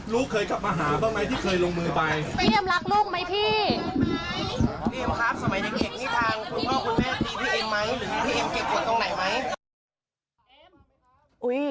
มีความหมายเป็นว่ามาก่อนครับ